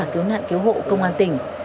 tướng nạn cứu hộ công an tỉnh